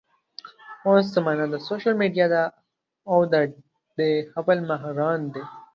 اوس زمانه د سوشل ميډيا ده او د دې خپل ماهران دي